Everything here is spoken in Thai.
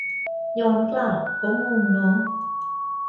ย้อนกลับ ก็งงเนอะ.